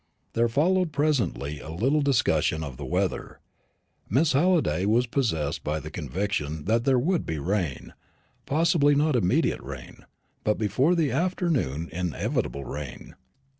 There followed presently a little discussion of the weather. Miss Halliday was possessed by the conviction that there would be rain possibly not immediate rain, but before the afternoon inevitable rain.